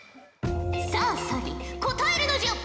さあ咲莉答えるのじゃ！